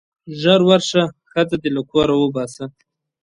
ژر ورشه ښځه دې له کوره وباسه.